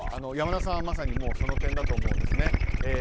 山田さんはまさにその点だと思うんですね。